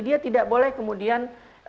dia tidak boleh kemudian